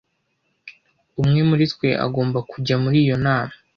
Umwe muri twe agomba kujya muri iyo nama.